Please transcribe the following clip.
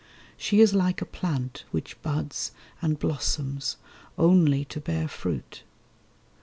She is like a plant Which buds and blossoms only to bear fruit.